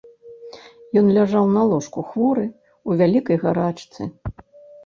Ён ляжаў на ложку хворы, у вялікай гарачцы.